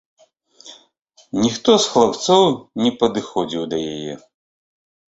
Ніхто з хлапцоў не падыходзіў да яе.